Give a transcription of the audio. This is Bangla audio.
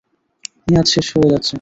মেয়াদ শেষ হয়ে যাচ্ছে।